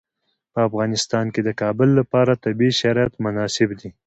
په افغانستان کې د کابل لپاره طبیعي شرایط مناسب دي.